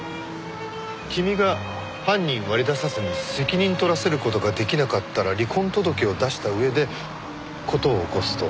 君が犯人を割り出さずに責任取らせる事が出来なかったら離婚届を出した上で事を起こすと。